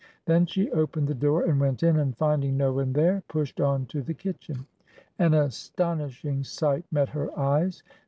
Then she opened the door and went in, and finding no one there, pushed on to the kitchen. An astonishing sight met her eyes.